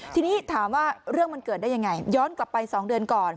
ทีนี้ถามว่าเรื่องมันเกิดได้ยังไงย้อนกลับไป๒เดือนก่อน